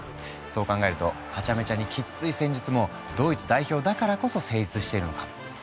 そう考えるとはちゃめちゃにきっつい戦術もドイツ代表だからこそ成立しているのかも。